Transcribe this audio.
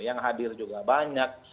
yang hadir juga banyak